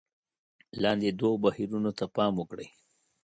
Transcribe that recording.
لاندې دوو بهیرونو ته پام وکړئ: